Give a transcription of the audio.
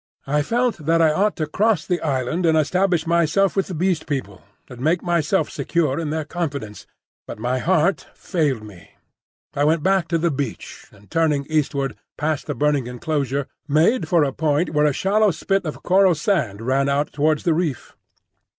I felt that I ought to cross the island and establish myself with the Beast People, and make myself secure in their confidence. But my heart failed me. I went back to the beach, and turning eastward past the burning enclosure, made for a point where a shallow spit of coral sand ran out towards the reef.